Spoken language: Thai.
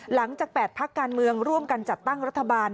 หลังจาก๘พักการเมืองร่วมกันจัดตั้งรัฐบาล